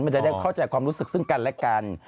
มันจะได้เข้าใจความรู้สึกซึ่งกันและกัน